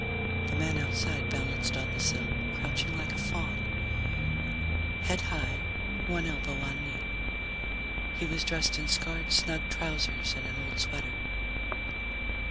The man outside balanced on the sill, crouching like a faun, head high, one elbow on knee. He was dressed in scarred, snug trousers and an old sweater.